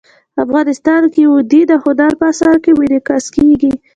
افغانستان کې وادي د هنر په اثار کې منعکس کېږي.